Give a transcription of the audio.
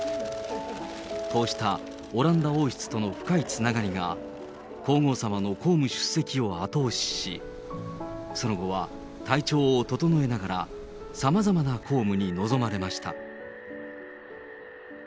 こうしたオランダ王室との深いつながりが、皇后さまの公務出席を後押しし、その後は体調を整えながら、さまざまな公務に臨まれました。